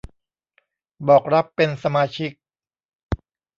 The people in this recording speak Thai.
บอกรับเป็นสมาชิก